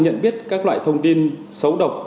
nhận biết các loại thông tin xấu độc